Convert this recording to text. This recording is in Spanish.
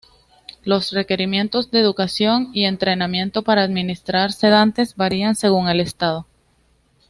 Los requerimientos de educación y entrenamiento para administrar sedantes varían según el Estado.